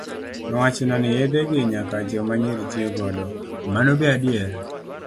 Nowachnwa ni yedhe gi nyaka joma nyiri tiyo godo, mano be adier?